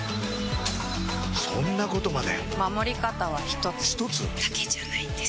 そんなことまで守り方は一つ一つ？だけじゃないんです